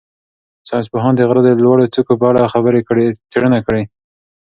ساینس پوهان د غره د لوړو څوکو په اړه څېړنه کوي.